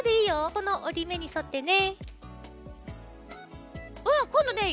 このおりめにそってね。